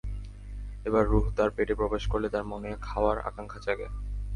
এবার রূহ্ তার পেটে প্রবেশ করলে তাঁর মনে খাওয়ার আকাঙ্ক্ষা জাগে।